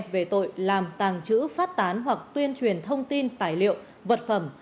về tội làm tàng trữ phát tán hoặc tuyên truyền thông tin tài liệu vật phẩm